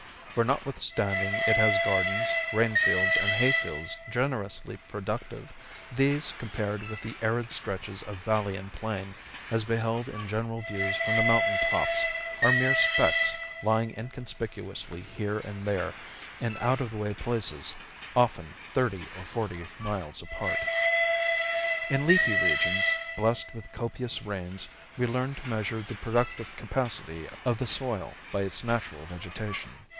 For notwithstanding it has gardens, grainfields, and hayfields generously productive, these compared with the arid stretches of valley and plain, as beheld in general views from the mountain tops, are mere specks lying inconspicuously here and there, in out of the way places, often thirty or forty miles apart. In leafy regions, blessed with copious rains, we learn to measure the productive capacity of the soil by its natural vegetation.